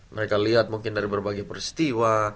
mereka lihat mungkin dari berbagai peristiwa